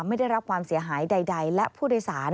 ไม่ได้รับความเสียหายใด